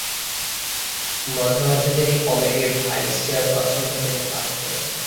মাঝে মাঝে, তিনি কমিটির ভাইস চেয়ারপারসন হিসাবে কাজ করেছেন।